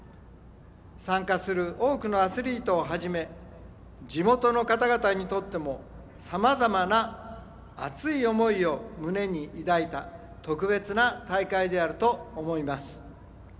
参加する多くのアスリートをはじめ地元の方々にとっても様々な熱い想いを胸にいだいた特別な大会であると思います。